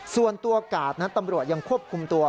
ส่วนตัวกาดนั้นตำรวจยังควบคุมตัว